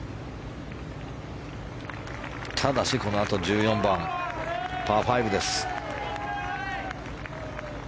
ただし、このあと１４番はパー５です。